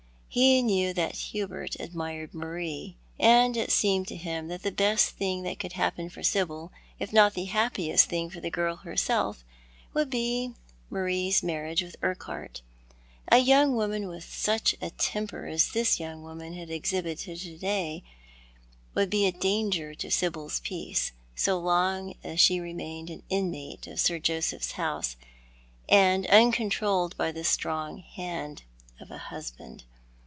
He knew that Hubert admired Marie, and it seemed to him that the best thing that could happen for Sibyl— if not the happiest thing for the girl herself —would be JIarie's marriage with Urquhart. A young woman with such a temper as this young woman had exhibited to day would bo a danger to Sibyl's peace, so long as she remained an inmate of Sir Joseph's house, and uncontrolled by the strong hand of a husliand.